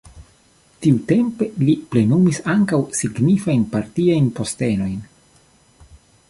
Tiutempe li plenumis ankaŭ signifajn partiajn postenojn.